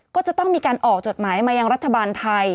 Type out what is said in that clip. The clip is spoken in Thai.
ก็จะต้องมีการออกจดหมายมายังรัฐบาลไทย